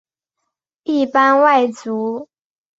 一般外族。